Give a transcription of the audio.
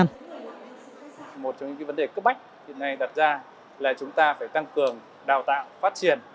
một trong những vấn đề cấp bách hiện nay đặt ra là chúng ta phải tăng cường đào tạo phát triển